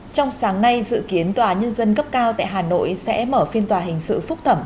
trong sáng nay dự kiến tòa nhân dân cấp cao tại hà nội sẽ mở phiên tòa hình sự phúc thẩm